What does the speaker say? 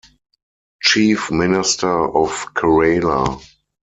Chief Minister of Kerala.